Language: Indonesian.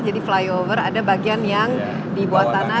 jadi flyover ada bagian yang di bawah tanah